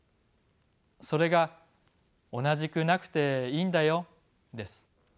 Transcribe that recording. それが“おなじくなくていいんだよ”です。